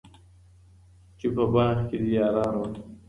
چي په باغ کي دي یاران وه